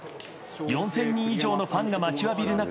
４０００人以上のファンが待ちわびる中